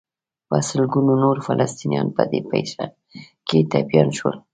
په سلګونو نور فلسطینیان په دې پېښه کې ټپیان شول.